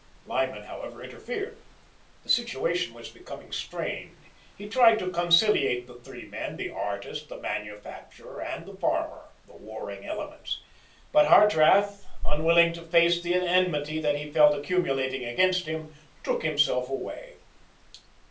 Lyman, however, interfered. The situation was becoming strained. He tried to conciliate the three men the artist, the manufacturer, and the farmer, the warring elements. But Hartrath, unwilling to face the enmity that he felt accumulating against him, took himself away.